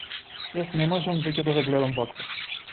Јас не можам веќе да ве гледам ваква.